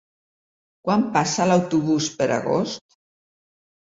Quan passa l'autobús per Agost?